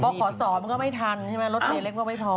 ขอสอมันก็ไม่ทันใช่ไหมรถเมย์เล็กก็ไม่พอ